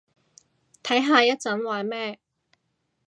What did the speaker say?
睇下一陣玩咩